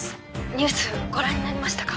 ☎ニュースご覧になりましたか？